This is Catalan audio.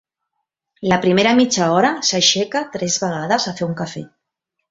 La primera mitja hora s'aixeca tres vegades a fer un cafè.